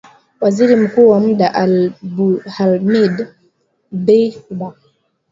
Waziri Mkuu wa muda Abdulhamid Dbeibah